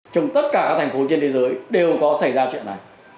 trong tất cả các thành phố trên thế giới đều có xảy ra chuyện này